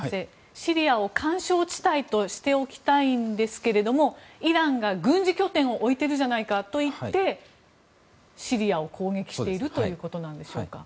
シリアを緩衝地帯としておきたいんですがイランが軍事拠点を置いているじゃないかといってシリアを攻撃しているということなんでしょうか。